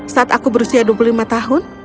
saat aku berusia dua puluh lima tahun